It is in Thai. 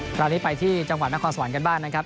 คราวนี้ไปที่จังหวัดนครสวรรค์กันบ้างนะครับ